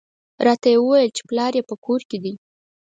راته یې وویل چې پلار یې په کور کې دی.